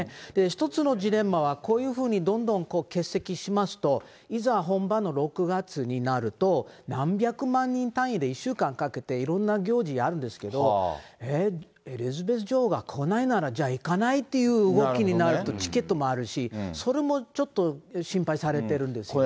一つのジレンマは、こういうふうにどんどんどん欠席しますと、いざ本番の６月になると、何百万人単位で、１週間かけていろんな行事やるんですけど、えっ、エリザベス女王が来ないなら、じゃあ、行かないという動きになると、チケットもあるし、それもちょっと心配されてるんですね。